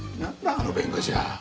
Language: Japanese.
あの弁護士は。